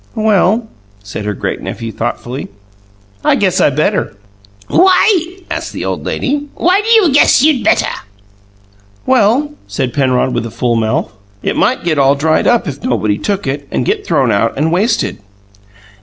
"Well," said her great nephew, thoughtfully, "I guess I better." "Why?" asked the old lady. "Why do you guess you'd 'better'?" "Well," said Penrod, with a full mouth, "it might get all dried up if nobody took it, and get thrown out and wasted."